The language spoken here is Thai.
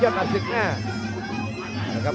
ยอดปรับศึกนะครับ